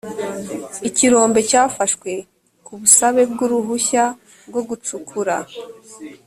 ikirombe cyafashwe ku busabe bw uruhushya rwo gucukura